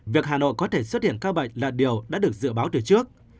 việc hà nội có thể xuất hiện ca bệnh là điều đã được dự báo từ trước